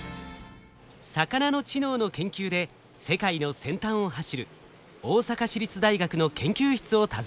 魚の知能の研究で世界の先端を走る大阪市立大学の研究室を訪ねました。